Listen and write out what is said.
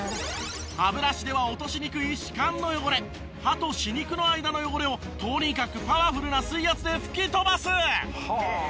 歯ブラシでは落としにくい歯間の汚れ歯と歯肉の間の汚れをとにかくパワフルな水圧で吹き飛ばす！